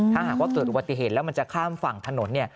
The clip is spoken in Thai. ถ้าหากว่าเกิดอุบัติเหตุแล้วมันจะข้ามฝั่งถนน